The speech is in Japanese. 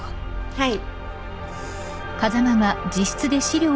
はい。